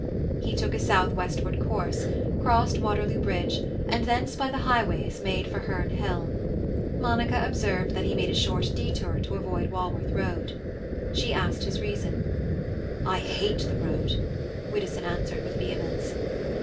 He took a south westward course, crossed Waterloo Bridge, and thence by the highways made for Herne Hill. Monica observed that he made a short detour to avoid Walworth Road. She asked his reason. "I hate the road!" Widdowson answered, with vehemence.